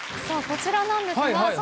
さあこちらなんですが。